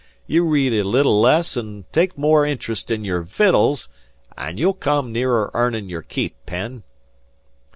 "You read a little less an' take more int'rust in your vittles, and you'll come nearer earnin' your keep, Penn."